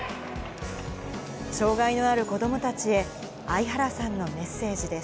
障がいのある子どもたちへ、相原さんのメッセージです。